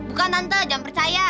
bukan tante jangan percaya